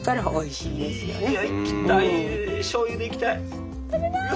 しょうゆでいきたい。